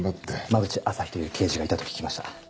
馬淵朝陽という刑事がいたと聞きました。